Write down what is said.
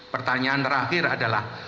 pertanyaan terakhir adalah